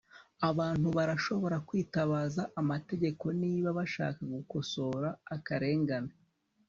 abantu barashobora kwitabaza amategeko niba bashaka gukosora akarengane